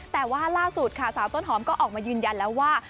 แต่ว่าล่าสุดค่ะสาวต้นหอมก็ออกมายืนยันแล้วว่า